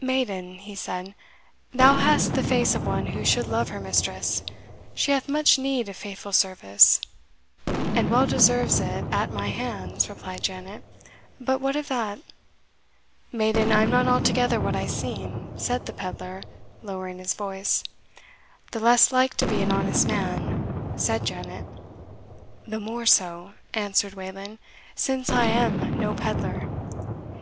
"Maiden," he said, "thou hast the face of one who should love her mistress. She hath much need of faithful service." "And well deserves it at my hands," replied Janet; "but what of that?" "Maiden, I am not altogether what I seem," said the pedlar, lowering his voice. "The less like to be an honest man," said Janet. "The more so," answered Wayland, "since I am no pedlar."